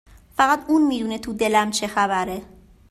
فقط اون میدونه تو دلم چه خبره